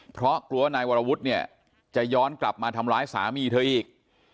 เพราะกลัวนายวรวุฒิเนี่ยจะย้อนกลับมาทำร้ายสามีเธออีก